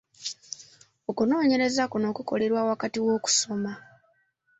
Okunoonyereza kuno kukolerwa wakati mu kusoma.